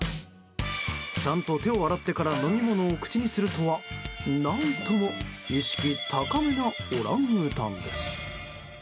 ちゃんと手を洗ってから飲み物を口にするとは何とも意識高めなオランウータンです。